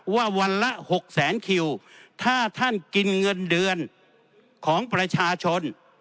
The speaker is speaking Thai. วันละ๖แสนคิวถ้าท่านกินเงินเดือนของประชาชน